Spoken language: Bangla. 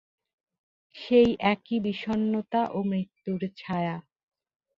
সেই একই বিষন্নতা ও মৃত্যুর ছায়া।